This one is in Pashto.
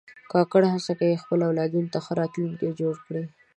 کاکړي هڅه کوي خپلو اولادونو ته ښه راتلونکی جوړ کړي.